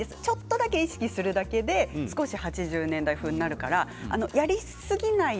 少し意識するだけで８０年代風になるからやりすぎない